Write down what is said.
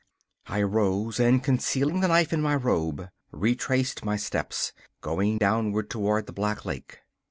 I arose, and, concealing the knife in my robe, retraced my steps, going downward toward the Black Lake.